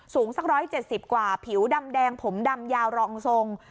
สูงสักร้อยเจ็ดสิบกว่าผิวดำแดงผมดำยาวรองทรง